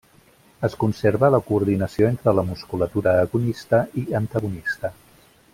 Es conserva la coordinació entre la musculatura agonista i antagonista.